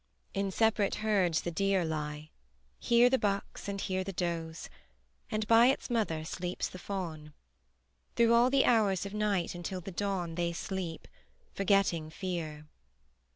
In separate herds the deer Lie; here the bucks, and here The does, and by its mother sleeps the fawn: Through all the hours of night until the dawn They sleep, forgetting fear.